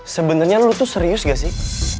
sebenarnya lu tuh serius gak sih